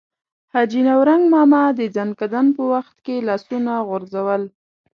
حاجي نورنګ ماما د ځنکدن په وخت کې لاسونه غورځول.